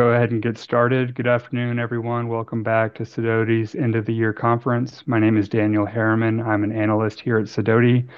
We'll go ahead and get started. Good afternoon, everyone. Welcome back to Sidoti's end-of-the-year conference. My name is Daniel Harriman. I'm an analyst here at Sidoti.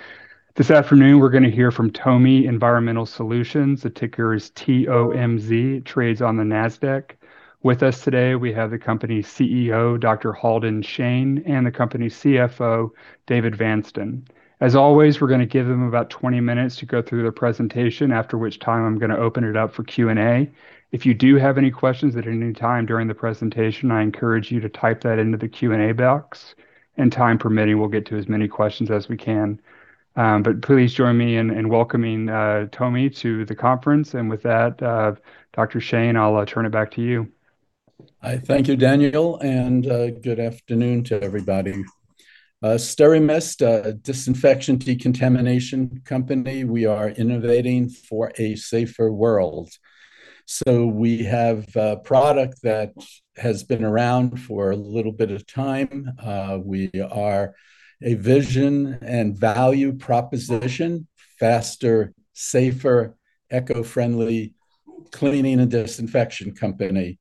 This afternoon, we're going to hear from TOMI Environmental Solutions. The ticker is TOMZ, trades on the NASDAQ. With us today, we have the company's CEO, Dr. Halden Shane, and the company's CFO, David Vanston. As always, we're going to give them about 20 minutes to go through their presentation, after which time I'm going to open it up for Q&A. If you do have any questions at any time during the presentation, I encourage you to type that into the Q&A box. And time permitting, we'll get to as many questions as we can. But please join me in welcoming TOMI to the conference. And with that, Dr. Shane, I'll turn it back to you. Thank you, Daniel. And good afternoon to everybody. SteraMist, a disinfection decontamination company, we are innovating for a safer world. So we have a product that has been around for a little bit of time. We are a vision and value proposition: faster, safer, eco-friendly cleaning and disinfection company.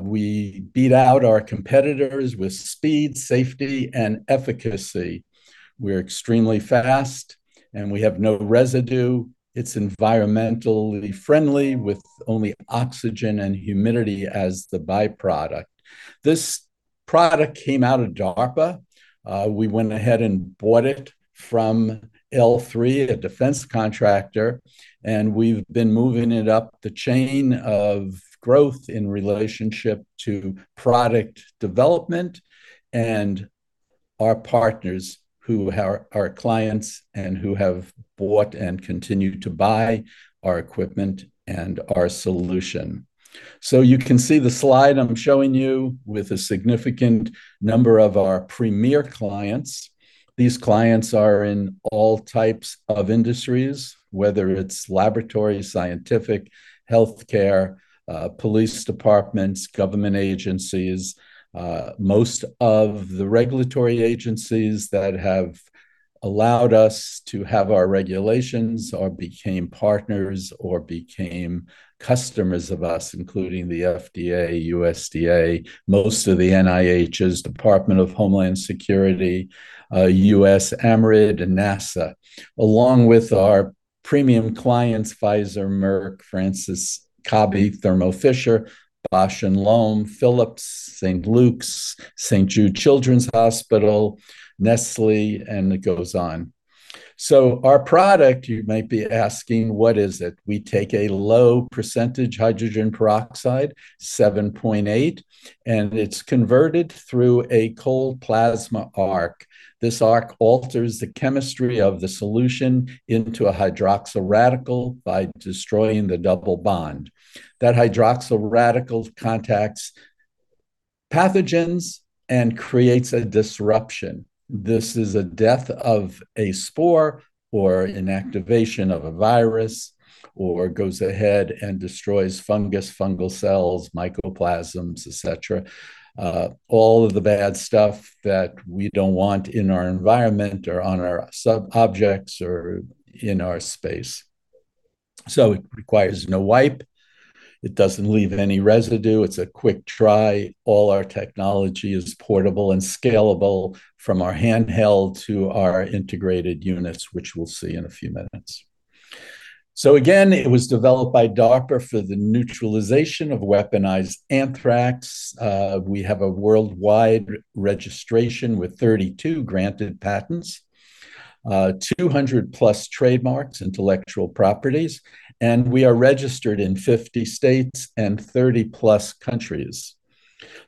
We beat out our competitors with speed, safety, and efficacy. We're extremely fast, and we have no residue. It's environmentally friendly, with only oxygen and humidity as the byproduct. This product came out of DARPA. We went ahead and bought it from L3, a defense contractor. And we've been moving it up the chain of growth in relationship to product development and our partners who are our clients and who have bought and continue to buy our equipment and our solution. So you can see the slide I'm showing you with a significant number of our premier clients. These clients are in all types of industries, whether it's laboratory, scientific, healthcare, police departments, government agencies, most of the regulatory agencies that have allowed us to have our regulations or became partners or became customers of us, including the FDA, USDA, most of the NIHs, Department of Homeland Security, USAMRIID, and NASA, along with our premium clients: Pfizer, Merck, Fresenius Kabi, Thermo Fisher, Bausch + Lomb, Philips, St. Luke's, St. Jude Children's Hospital, Nestlé, and it goes on. So our product, you might be asking, what is it? We take a low-percentage hydrogen peroxide, 7.8%, and it's converted through a cold plasma arc. This arc alters the chemistry of the solution into a hydroxyl radical by destroying the double bond. That hydroxyl radical contacts pathogens and creates a disruption. This is a death of a spore or an activation of a virus or goes ahead and destroys fungus, fungal cells, mycoplasms, et cetera, all of the bad stuff that we don't want in our environment or on our sub-objects or in our space. So it requires no wipe. It doesn't leave any residue. It's a quick try. All our technology is portable and scalable from our handheld to our integrated units, which we'll see in a few minutes. So again, it was developed by DARPA for the neutralization of weaponized anthrax. We have a worldwide registration with 32 granted patents, 200-plus trademarks, intellectual properties, and we are registered in 50 states and 30-plus countries.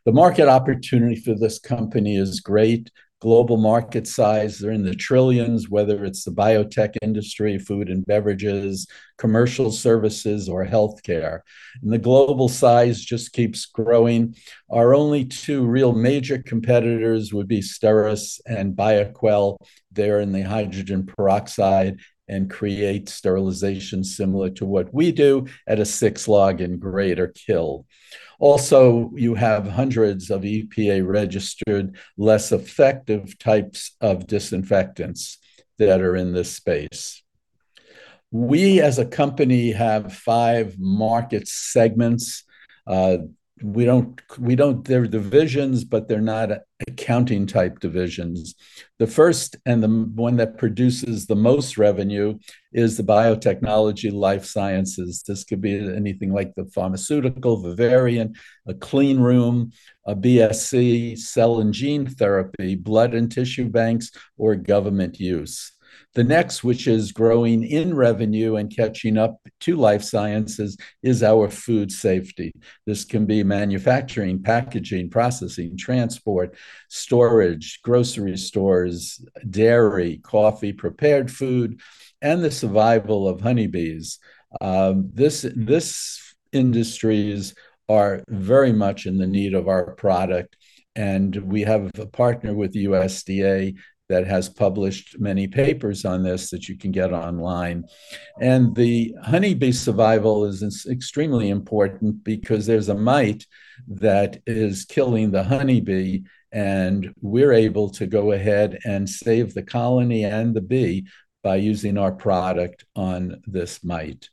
The market opportunity for this company is great. Global market size, they're in the trillions, whether it's the biotech industry, food and beverages, commercial services, or healthcare, and the global size just keeps growing. Our only two real major competitors would be STERIS and Bioquell. They're in the hydrogen peroxide and create sterilization similar to what we do at a six log and greater kill. Also, you have hundreds of EPA-registered, less effective types of disinfectants that are in this space. We, as a company, have five market segments. We don't—they're divisions, but they're not accounting-type divisions. The first and the one that produces the most revenue is the biotechnology, life sciences. This could be anything like the pharmaceutical, the variant, a clean room, a BSC, cell and gene therapy, blood and tissue banks, or government use. The next, which is growing in revenue and catching up to life sciences, is our food safety. This can be manufacturing, packaging, processing, transport, storage, grocery stores, dairy, coffee, prepared food, and the survival of honeybees. These industries are very much in the need of our product. We have a partner with USDA that has published many papers on this that you can get online. The honeybee survival is extremely important because there's a mite that is killing the honeybee, and we're able to go ahead and save the colony and the bee by using our product on this mite.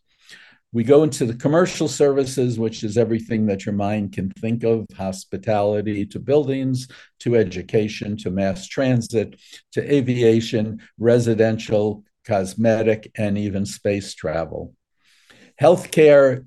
We go into the commercial services, which is everything that your mind can think of: hospitality, to buildings, to education, to mass transit, to aviation, residential, cosmetic, and even space travel. Healthcare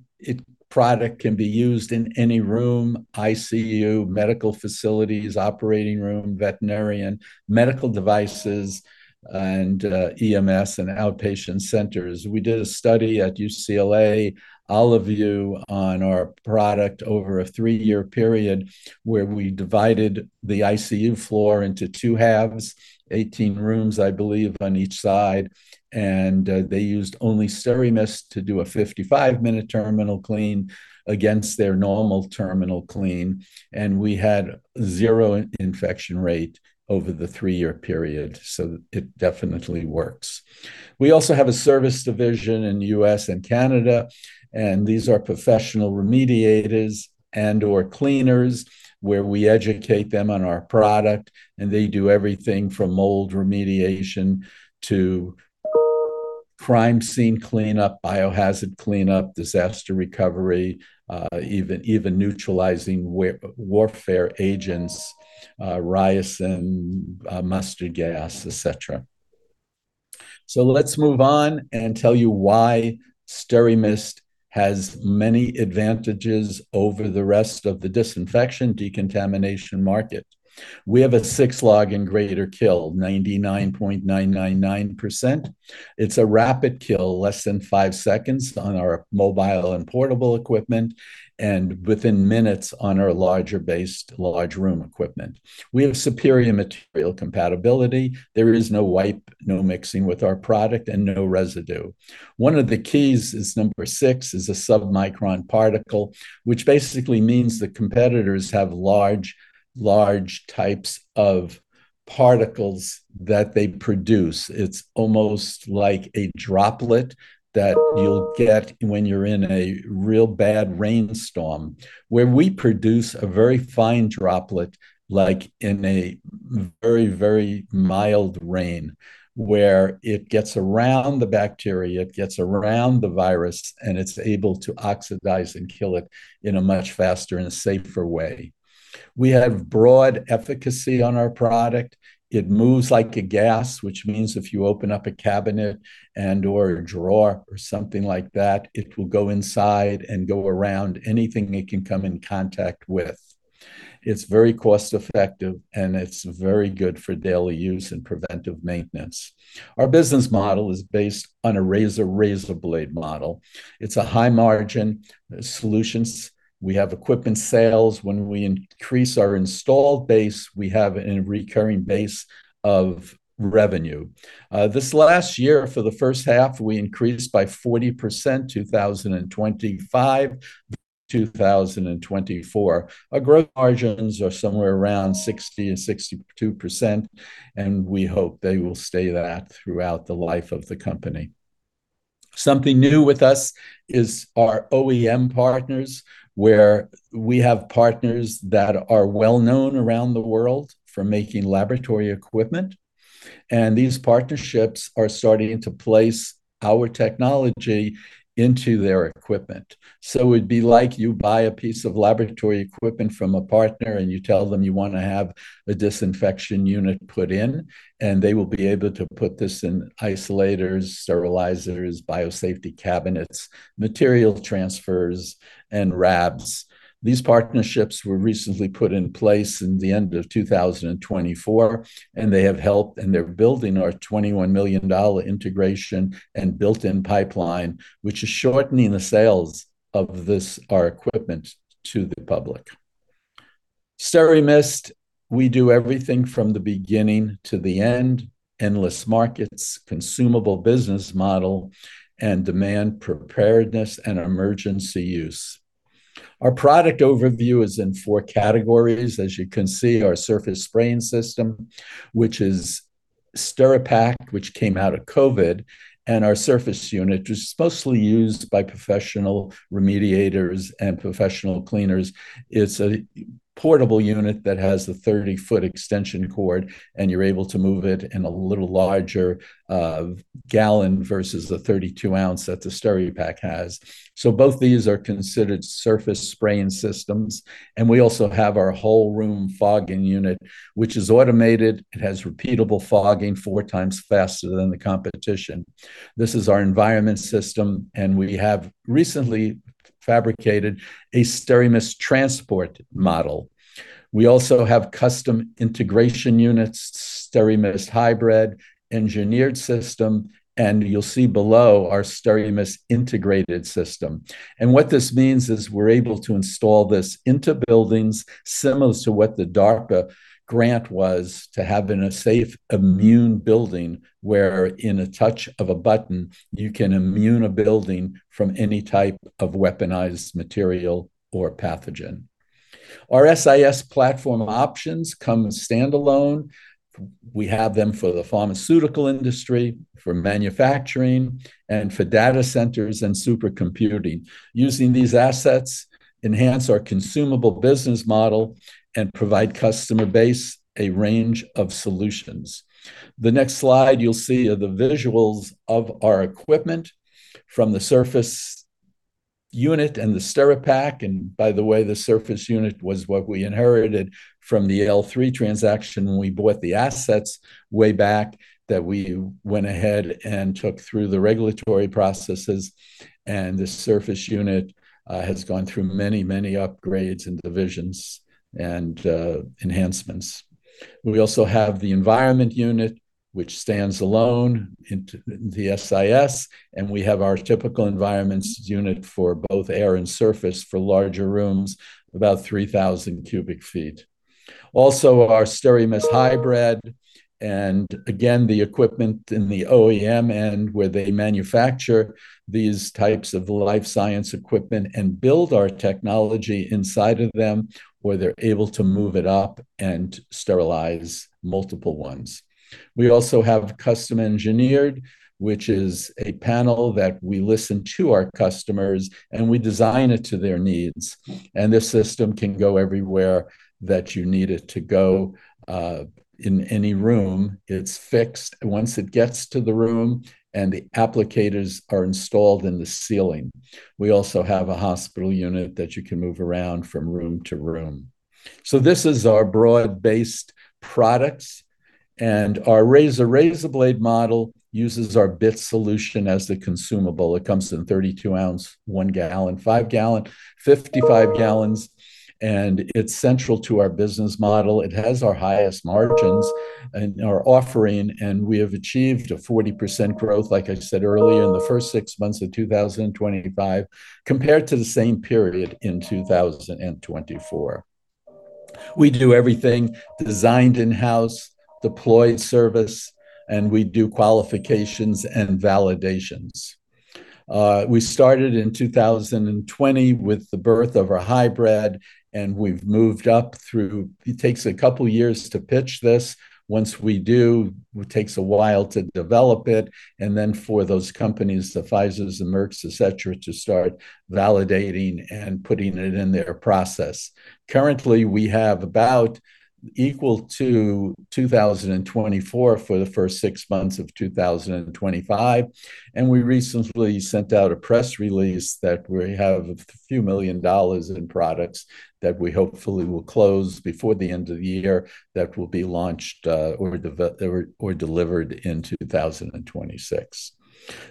product can be used in any room, ICU, medical facilities, operating room, veterinarian, medical devices, and EMS and outpatient centers. We did a study at UCLA, all of you on our product over a three-year period, where we divided the ICU floor into two halves, 18 rooms, I believe, on each side. And they used only SteraMist to do a 55-minute terminal clean against their normal terminal clean. And we had zero infection rate over the three-year period. So it definitely works. We also have a service division in the U.S. and Canada. And these are professional remediators and/or cleaners, where we educate them on our product. And they do everything from mold remediation to crime scene cleanup, biohazard cleanup, disaster recovery, even neutralizing warfare agents, ricin, mustard gas, et cetera. So let's move on and tell you why SteraMist has many advantages over the rest of the disinfection decontamination market. We have a six log and greater kill, 99.999%. It's a rapid kill, less than five seconds on our mobile and portable equipment, and within minutes on our larger-based large room equipment. We have superior material compatibility. There is no wipe, no mixing with our product, and no residue. One of the keys is number six is a submicron particle, which basically means the competitors have large, large types of particles that they produce. It's almost like a droplet that you'll get when you're in a real bad rainstorm, where we produce a very fine droplet like in a very, very mild rain, where it gets around the bacteria, it gets around the virus, and it's able to oxidize and kill it in a much faster and safer way. We have broad efficacy on our product. It moves like a gas, which means if you open up a cabinet and/or a drawer or something like that, it will go inside and go around anything it can come in contact with. It's very cost-effective, and it's very good for daily use and preventive maintenance. Our business model is based on a razor razor blade model. It's a high-margin solution. We have equipment sales. When we increase our installed base, we have a recurring base of revenue. This last year, for the first half, we increased by 40%, 2025, 2024. Our growth margins are somewhere around 60%-62%, and we hope they will stay that throughout the life of the company. Something new with us is our OEM partners, where we have partners that are well-known around the world for making laboratory equipment. And these partnerships are starting to place our technology into their equipment. So it would be like you buy a piece of laboratory equipment from a partner, and you tell them you want to have a disinfection unit put in, and they will be able to put this in isolators, sterilizers, biosafety cabinets, material transfers, and wraps. These partnerships were recently put in place in the end of 2024, and they have helped, and they're building our $21 million integration and built-in pipeline, which is shortening the sales of our equipment to the public. SteraMist, we do everything from the beginning to the end: endless markets, consumable business model, and demand preparedness and emergency use. Our product overview is in four categories. As you can see, our surface spraying system, which is SteraPak, which came out of COVID, and our surface unit, which is mostly used by professional remediators and professional cleaners. It's a portable unit that has a 30-foot extension cord, and you're able to move it in a little larger gallon versus the 32-ounce that the SteraPak has. So both these are considered surface spraying systems, and we also have our whole room fogging unit, which is automated. It has repeatable fogging four times faster than the competition. This is our environment system, and we have recently fabricated a SteraMist Transport model. We also have custom integration units, SteraMist Hybrid engineered system, and you'll see below our SteraMist Integrated System. And what this means is we're able to install this into buildings similar to what the DARPA grant was to have in a safe, immune building where, in a touch of a button, you can immune a building from any type of weaponized material or pathogen. Our SIS platform options come standalone. We have them for the pharmaceutical industry, for manufacturing, and for data centers and supercomputing. Using these assets enhance our consumable business model and provide customer base a range of solutions. The next slide you'll see are the visuals of our equipment from the surface unit and the SteraPac. By the way, the surface unit was what we inherited from the L3 transaction. We bought the assets way back that we went ahead and took through the regulatory processes. And the surface unit has gone through many, many upgrades and divisions and enhancements. We also have the environment unit, which stands alone in the SIS. And we have our typical environments unit for both air and surface for larger rooms, about 3,000 cubic feet. Also, our SteraMist Hybrid, and again, the equipment in the OEM end where they manufacture these types of life science equipment and build our technology inside of them where they're able to move it up and sterilize multiple ones. We also have custom engineered, which is a panel that we listen to our customers, and we design it to their needs. This system can go everywhere that you need it to go in any room. It's fixed once it gets to the room, and the applicators are installed in the ceiling. We also have a hospital unit that you can move around from room to room. This is our broad-based products. Our razor-blade model uses our BIT solution as the consumable. It comes in 32-ounce, one-gallon, five-gallon, 55-gallon sizes. It's central to our business model. It has our highest margins in our offering. We have achieved a 40% growth, like I said earlier, in the first six months of 2025 compared to the same period in 2024. We do everything designed in-house, deployed service, and we do qualifications and validations. We started in 2020 with the birth of our hybrid, and we've moved up through. It takes a couple of years to pitch this. Once we do, it takes a while to develop it. And then for those companies, the Pfizer and Merck, et cetera, to start validating and putting it in their process. Currently, we have about equal to 2024 for the first six months of 2025. And we recently sent out a press release that we have a few million dollars in products that we hopefully will close before the end of the year that will be launched or delivered in 2026.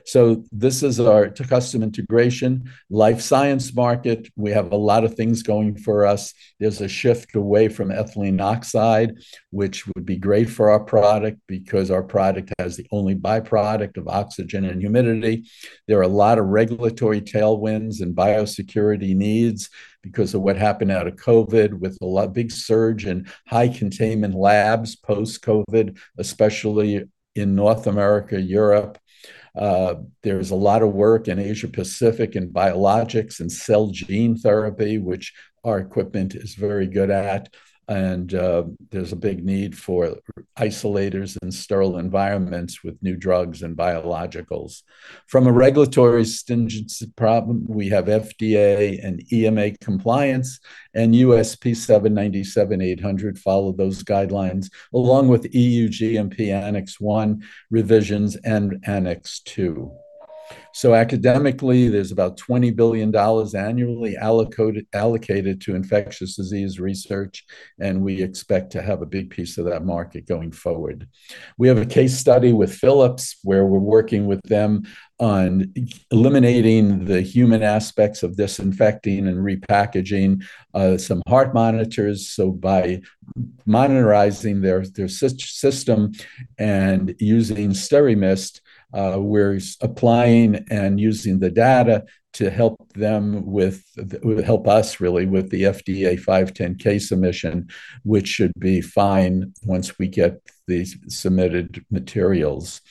So this is our custom integration life science market. We have a lot of things going for us. There's a shift away from ethylene oxide, which would be great for our product because our product has the only by-product of oxygen and humidity. There are a lot of regulatory tailwinds and biosecurity needs because of what happened out of COVID with a big surge in high containment labs post-COVID, especially in North America, Europe. There's a lot of work in Asia-Pacific in biologics and cell gene therapy, which our equipment is very good at. There's a big need for isolators in sterile environments with new drugs and biologicals. From a regulatory stringency problem, we have FDA and EMA compliance, and USP 797-800 follow those guidelines along with EU GMP Annex 1 revisions and Annex 2. Academically, there's about $20 billion annually allocated to infectious disease research, and we expect to have a big piece of that market going forward. We have a case study with Philips where we're working with them on eliminating the human aspects of disinfecting and repackaging some heart monitors. So by monitoring their system and using SteraMist, we're applying and using the data to help them with, help us really with the FDA 510(k) submission, which should be fine once we get these submitted materials.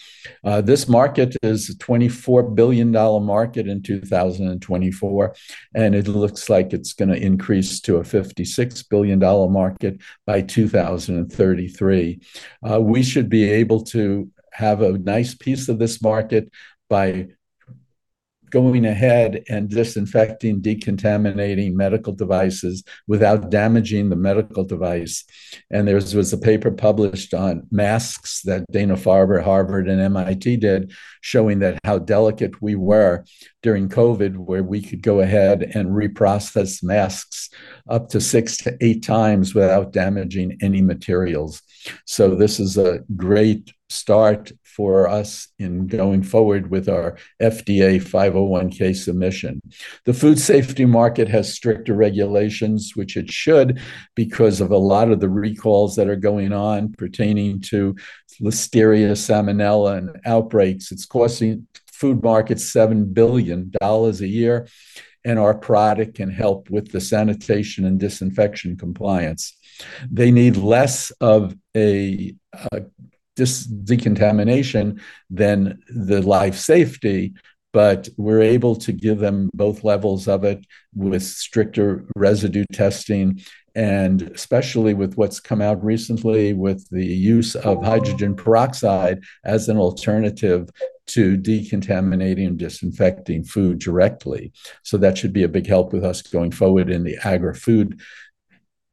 This market is a $24 billion market in 2024, and it looks like it's going to increase to a $56 billion market by 2033. We should be able to have a nice piece of this market by going ahead and disinfecting, decontaminating medical devices without damaging the medical device. And there was a paper published on masks that Dana-Farber, Harvard, and MIT did showing how delicate we were during COVID where we could go ahead and reprocess masks up to six to eight times without damaging any materials. So this is a great start for us in going forward with our FDA 510(k) submission. The food safety market has stricter regulations, which it should because of a lot of the recalls that are going on pertaining to Listeria, Salmonella, and outbreaks. It's costing food markets $7 billion a year, and our product can help with the sanitation and disinfection compliance. They need less of a decontamination than the life safety, but we're able to give them both levels of it with stricter residue testing and especially with what's come out recently with the use of hydrogen peroxide as an alternative to decontaminating and disinfecting food directly. So that should be a big help with us going forward in the agri-food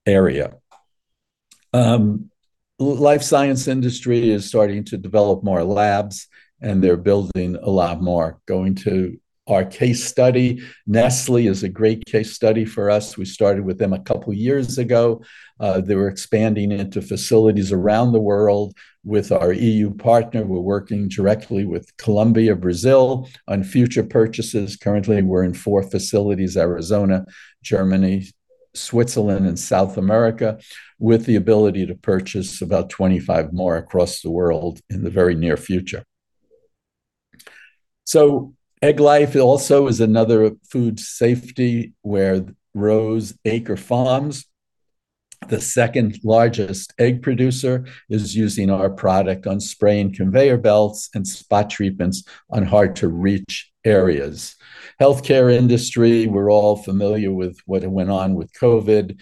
area. Life science industry is starting to develop more labs, and they're building a lot more. Going to our case study, Nestlé is a great case study for us. We started with them a couple of years ago. They were expanding into facilities around the world with our EU partner. We're working directly with Colombia, Brazil on future purchases. Currently, we're in four facilities: Arizona, Germany, Switzerland, and South America, with the ability to purchase about 25 more across the world in the very near future, so egg life also is another food safety where Rose Acre Farms, the second largest egg producer, is using our product on spray and conveyor belts and spot treatments on hard-to-reach areas. Healthcare industry, we're all familiar with what went on with COVID.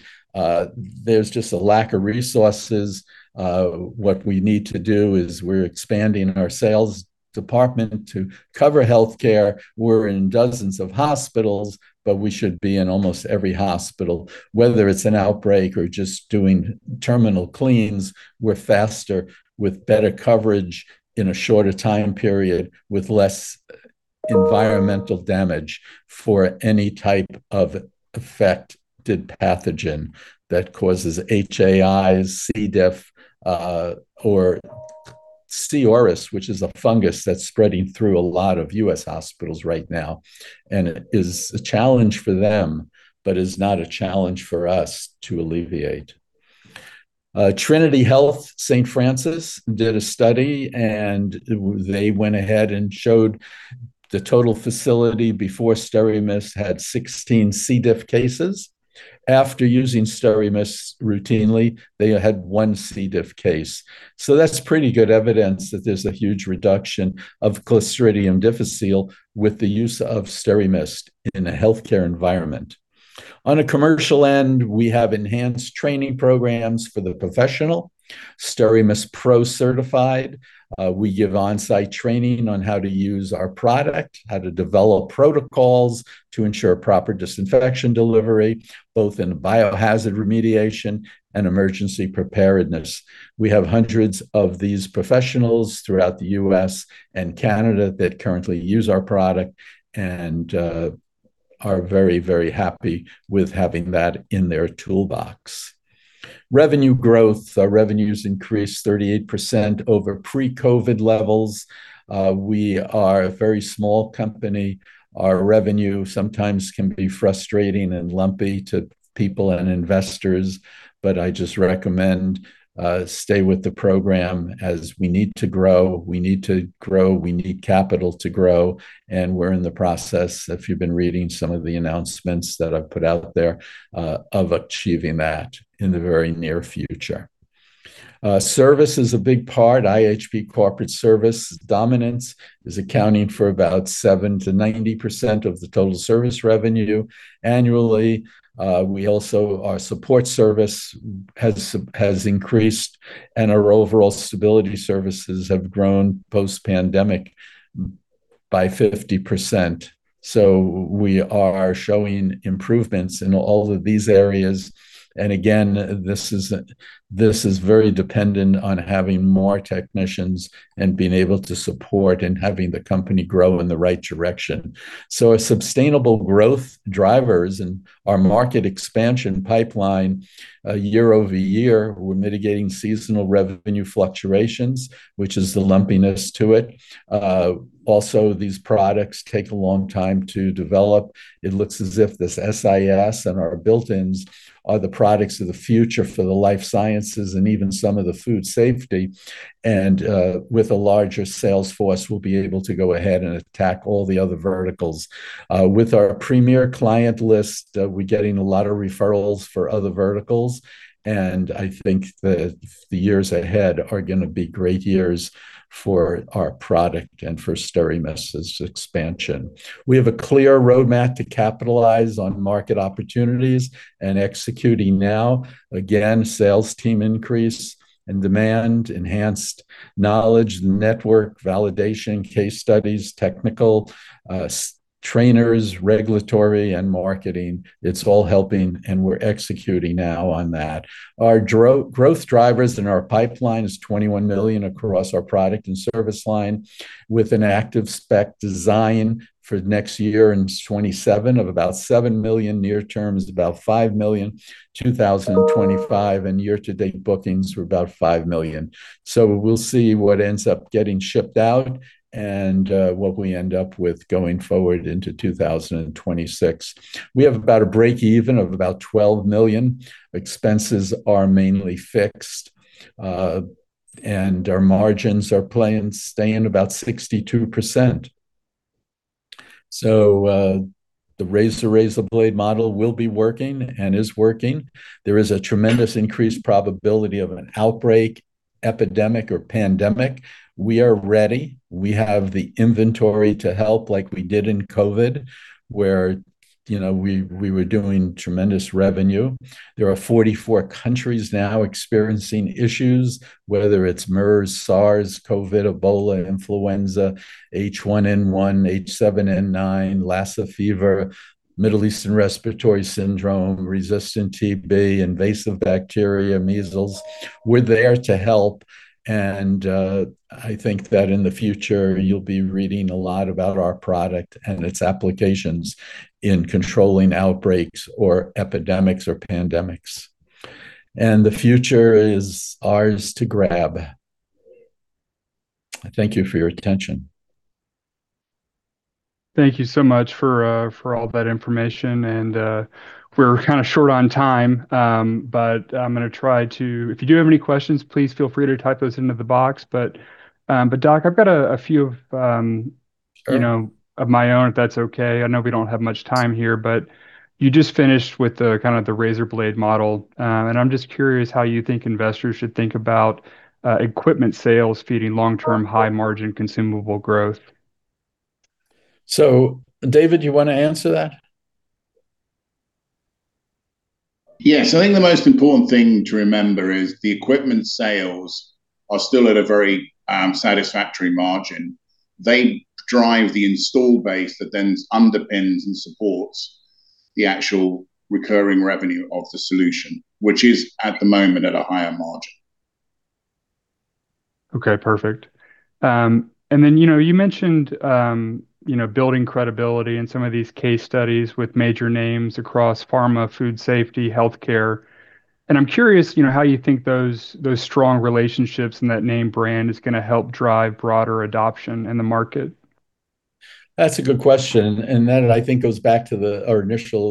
There's just a lack of resources. What we need to do is we're expanding our sales department to cover healthcare. We're in dozens of hospitals, but we should be in almost every hospital. Whether it's an outbreak or just doing terminal cleans, we're faster with better coverage in a shorter time period with less environmental damage for any type of affected pathogen that causes HAIs, C. diff, or C. auris, which is a fungus that's spreading through a lot of U.S. hospitals right now. It is a challenge for them, but it's not a challenge for us to alleviate. Trinity Health St. Francis did a study, and they went ahead and showed the total facility before SteraMist had 16 C. diff cases. After using SteraMist routinely, they had one C. diff case. That's pretty good evidence that there's a huge reduction of Clostridium difficile with the use of SteraMist in a healthcare environment. On a commercial end, we have enhanced training programs for the professional. SteraMist Pro Certified. We give on-site training on how to use our product, how to develop protocols to ensure proper disinfection delivery, both in biohazard remediation and emergency preparedness. We have hundreds of these professionals throughout the U.S. and Canada that currently use our product and are very, very happy with having that in their toolbox. Revenue growth, our revenues increased 38% over pre-COVID levels. We are a very small company. Our revenue sometimes can be frustrating and lumpy to people and investors, but I just recommend stay with the program as we need to grow. We need to grow. We need capital to grow. And we're in the process, if you've been reading some of the announcements that I've put out there, of achieving that in the very near future. Service is a big part. iHP Corporate Service dominance is accounting for about 7%-90% of the total service revenue annually. Our support service has increased, and our overall stability services have grown post-pandemic by 50%. So we are showing improvements in all of these areas. And again, this is very dependent on having more technicians and being able to support and having the company grow in the right direction. So our sustainable growth drivers and our market expansion pipeline, year over year, we're mitigating seasonal revenue fluctuations, which is the lumpiness to it. Also, these products take a long time to develop. It looks as if this SIS and our built-ins are the products of the future for the life sciences and even some of the food safety. And with a larger sales force, we'll be able to go ahead and attack all the other verticals. With our premier client list, we're getting a lot of referrals for other verticals. And I think that the years ahead are going to be great years for our product and for SteraMist's expansion. We have a clear roadmap to capitalize on market opportunities and executing now. Again, sales team increase and demand, enhanced knowledge, the network, validation, case studies, technical trainers, regulatory, and marketing. It's all helping, and we're executing now on that. Our growth drivers in our pipeline is $21 million across our product and service line with an active spec design for next year in 2027 of about $7 million near-term is about $5 million in 2025. And year-to-date bookings were about $5 million. So we'll see what ends up getting shipped out and what we end up with going forward into 2026. We have about a break-even of about $12 million. Expenses are mainly fixed, and our margins are playing staying about 62%. The razor blade model will be working and is working. There is a tremendous increased probability of an outbreak, epidemic, or pandemic. We are ready. We have the inventory to help like we did in COVID where we were doing tremendous revenue. There are 44 countries now experiencing issues, whether it's MERS, SARS, COVID, Ebola, influenza, H1N1, H7N9, Lassa fever, Middle Eastern respiratory syndrome, resistant TB, invasive bacteria, measles. We're there to help. And I think that in the future, you'll be reading a lot about our product and its applications in controlling outbreaks or epidemics or pandemics. And the future is ours to grab. Thank you for your attention. Thank you so much for all that information. And we're kind of short on time, but I'm going to try to. If you do have any questions, please feel free to type those into the box. But, Doc, I've got a few of my own, if that's okay. I know we don't have much time here, but you just finished with kind of the razor blade model. And I'm just curious how you think investors should think about equipment sales feeding long-term high-margin consumable growth. So, David, you want to answer that? Yes. I think the most important thing to remember is the equipment sales are still at a very satisfactory margin. They drive the install base that then underpins and supports the actual recurring revenue of the solution, which is at the moment at a higher margin. Okay. Perfect. And then you mentioned building credibility in some of these case studies with major names across pharma, food safety, healthcare. And I'm just curious how you think those strong relationships and that name brand is going to help drive broader adoption in the market. That's a good question. And that, I think, goes back to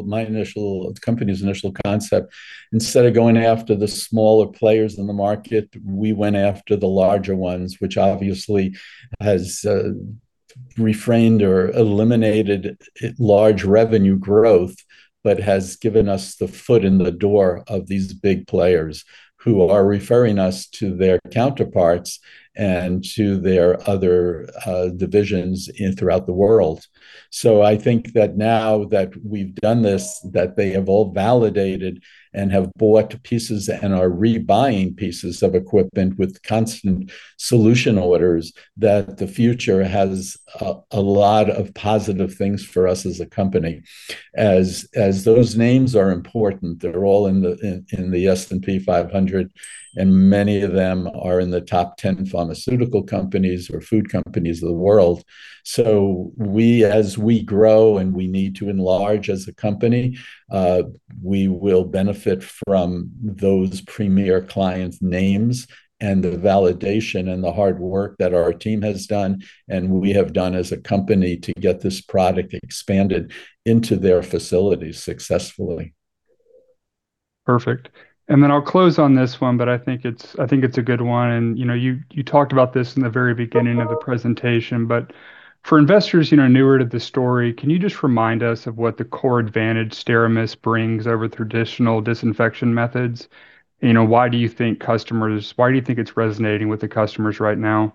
my initial company's initial concept. Instead of going after the smaller players in the market, we went after the larger ones, which obviously has refrained or eliminated large revenue growth, but has given us the foot in the door of these big players who are referring us to their counterparts and to their other divisions throughout the world. So I think that now that we've done this, that they have all validated and have bought pieces and are rebuying pieces of equipment with constant solution orders, that the future has a lot of positive things for us as a company. As those names are important, they're all in the S&P 500, and many of them are in the top 10 pharmaceutical companies or food companies of the world. So as we grow and we need to enlarge as a company, we will benefit from those premier client names and the validation and the hard work that our team has done and we have done as a company to get this product expanded into their facilities successfully. Perfect. And then I'll close on this one, but I think it's a good one. And you talked about this in the very beginning of the presentation, but for investors newer to the story, can you just remind us of what the core advantage SteraMist brings over traditional disinfection methods? Why do you think customers, why do you think it's resonating with the customers right now?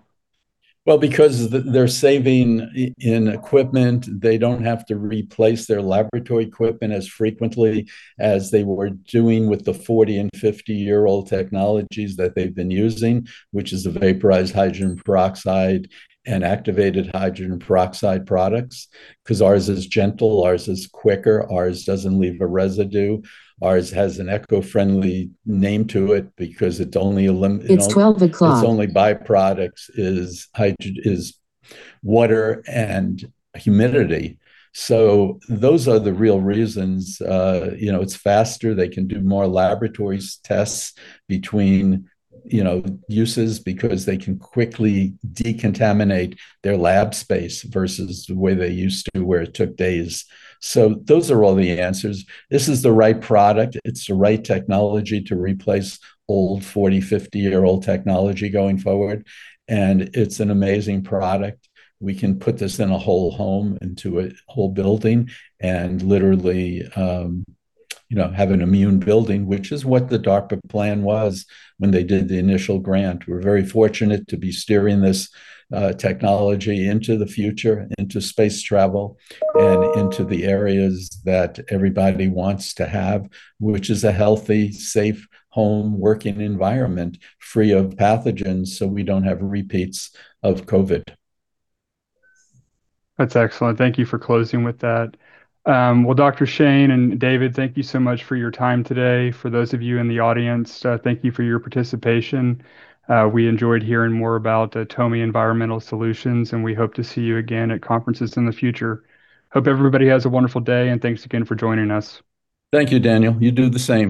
Well, because they're saving in equipment. They don't have to replace their laboratory equipment as frequently as they were doing with the 40- and 50-year-old technologies that they've been using, which is the vaporized hydrogen peroxide and activated hydrogen peroxide products, because ours is gentle. Ours is quicker. Ours doesn't leave a residue. Ours has an eco-friendly name to it because it's only byproducts is water and humidity. So those are the real reasons. It's faster. They can do more laboratory tests between uses because they can quickly decontaminate their lab space versus the way they used to where it took days. So those are all the answers. This is the right product. It's the right technology to replace old 40- and 50-year-old technology going forward, and it's an amazing product. We can put this in a whole home, into a whole building, and literally have an immune building, which is what the DARPA plan was when they did the initial grant. We're very fortunate to be steering this technology into the future, into space travel, and into the areas that everybody wants to have, which is a healthy, safe home working environment free of pathogens so we don't have repeats of COVID. That's excellent. Thank you for closing with that. Well, Dr. Shane and David, thank you so much for your time today. For those of you in the audience, thank you for your participation. We enjoyed hearing more about TOMI Environmental Solutions, and we hope to see you again at conferences in the future. Hope everybody has a wonderful day, and thanks again for joining us. Thank you, Daniel. You do the same.